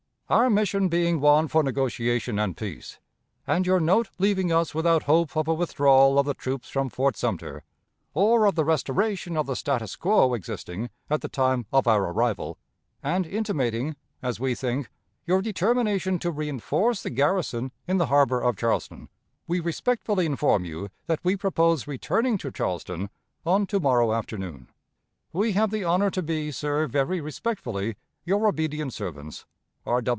Our mission being one for negotiation and peace, and your note leaving us without hope of a withdrawal of the troops from Fort Sumter, or of the restoration of the status quo existing at the time of our arrival, and intimating, as we think, your determination to reënforce the garrison in the harbor of Charleston, we respectfully inform you that we propose returning to Charleston on to morrow afternoon. We have the honor to be, sir, very respectfully, your obedient servants, R.